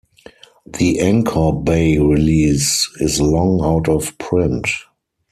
The Anchor Bay release is long out of print.